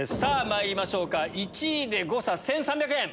まいりましょうか１位で誤差１３００円。